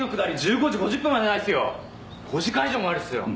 ５時間以上もありますよ！